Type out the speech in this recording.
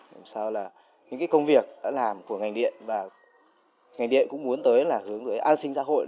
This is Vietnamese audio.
làm sao là những công việc đã làm của ngành điện và ngành điện cũng muốn tới là hướng về an sinh xã hội